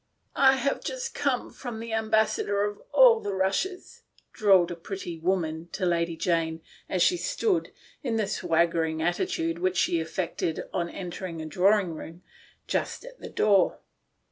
" I've just come from the Ambassador of all the Russias," drawled a pretty woman to Lady Jane, as she stood, in the swaggering attitude which she affected on entering a drawing room, just at the door.